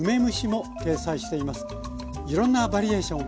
いろんなバリエーション